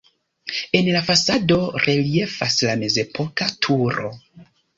En la fasado reliefas la mezepoka turo.